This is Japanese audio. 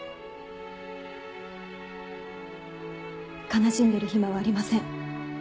悲しんでる暇はありません。